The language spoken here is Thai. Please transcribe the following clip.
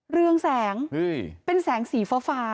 เรืองแสงเป็นแสงสีฟ้า